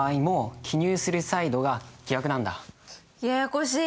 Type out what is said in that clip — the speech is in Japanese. ややこしい。